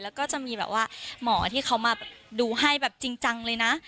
แล้วก็จะมีแบบว่าหมอที่เขามาดูให้แบบจริงจังเลยนะ